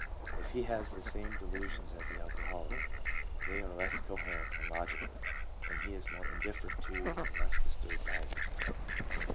If he has the same delusions as the alcoholic, they are less coherent and logical, and he is more indifferent to and less disturbed by them.